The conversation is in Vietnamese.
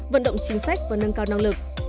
vận động chính sách và nâng cao năng lực